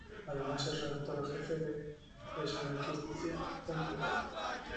Además, es redactora jefe de smakizycia.pl.